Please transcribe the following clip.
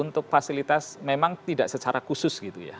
untuk fasilitas memang tidak secara khusus gitu ya